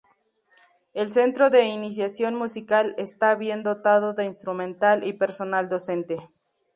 El Centro de Iniciación Musical está bien dotado de instrumental y personal docente.